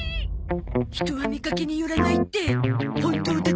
人は見かけによらないって本当だったのか。